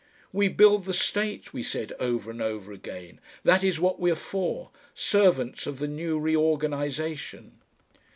"We build the state," we said over and over again. "That is what we are for servants of the new reorganisation!"